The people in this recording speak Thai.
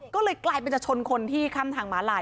ก็เลยกลายเป็นจะชนคนที่ข้ามทางม้าลาย